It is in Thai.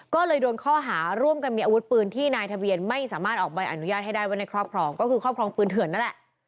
ก็เลยโดนข้อหาร่วมกันมีอาวุธปืนที่นายทะเบียนไม่สามารถออกใบอนุญาตให้ได้ไว้ในครอบครองก็คือครอบครองปืนเถื่อนนั่นแหละ